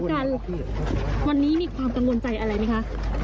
ระวังด้วยนะ